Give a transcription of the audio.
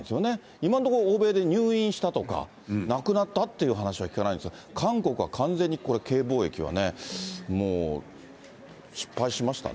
今のところ欧米で入院したとか、亡くなったっていう話は聞かないですが、韓国は完全にこれ、Ｋ防疫はもう、失敗しましたね。